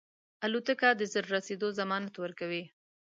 الوتکه د ژر رسېدو ضمانت ورکوي.